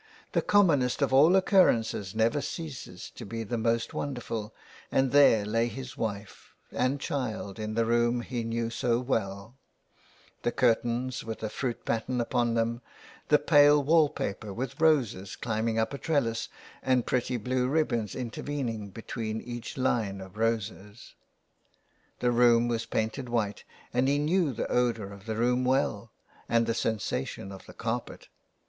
The commonest of all occurrences never ceases to be the most wonderful, and there lay his wife and child in the room he knew so well — the curtains with a fruit pattern upon them, the pale wall paper with roses climbing up a trellis, and pretty blue ribbons intervening between each line of roses. The room was painted white, and he knew the odour of tie room well, and the sensation of the carpet.